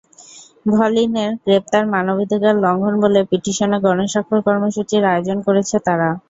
ভলিনের গ্রেপ্তার মানবাধিকার লঙ্ঘন বলে পিটিশনে গণস্বাক্ষর কর্মসূচির আয়োজন করেছে তারা।